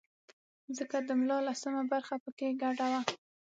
ځکه د ملا لسمه برخه په کې ګډه وه.